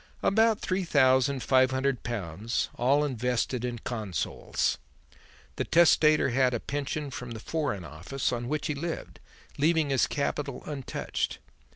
"About three thousand five hundred pounds, all invested in Consols. The testator had a pension from the Foreign Office, on which he lived, leaving his capital untouched.